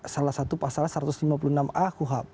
salah satu pasal satu ratus lima puluh enam a kuhap